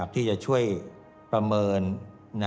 ที่จะช่วยประเมิน